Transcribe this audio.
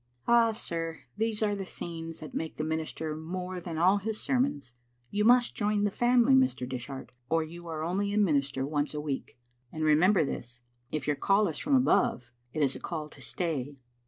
Ah, sir, these are the scenes that make the minister more than all his ser mons. You must join the family, Mr. Dishart, or you are only a minister once a week. And remember this, if your call is from above, it is a call to stay.